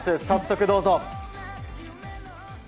早速どうぞ。